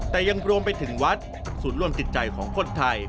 แต่ยังรวมไปถึงวัดศูนย์รวมจิตใจของคนไทย